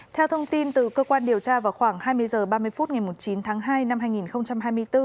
theo thông tin từ cơ quan điều tra vào khoảng hai mươi h ba mươi phút ngày chín tháng hai năm hai nghìn hai mươi bốn